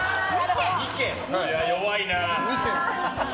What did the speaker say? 弱いな。